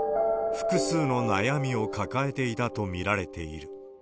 複数の悩みを抱えていたと見られている。